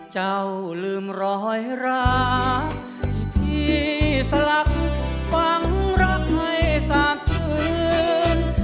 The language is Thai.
เจ้าลืมร้อยราที่พี่สลับฟังรักให้สาดคืน